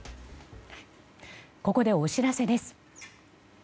ここでお知らせです。